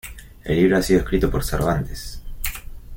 El libro ha sido escrito por Cervantes.